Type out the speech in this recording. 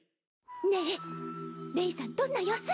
ねえレイさんどんな様子？